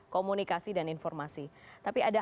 komunikasi dan informasi tapi ada